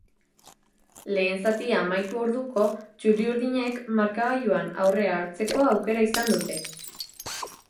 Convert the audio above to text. Lehen zatia amaitu orduko, txuri-urdinek markagailuan aurrea hartzeko aukera izan dute.